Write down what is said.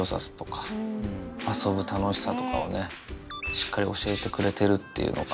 しっかり教えてくれてるっていうのが。